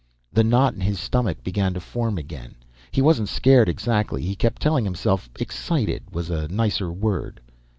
The knot in his stomach began to form again. He wasn't scared, exactly; he kept telling himself "excited" was a nicer word.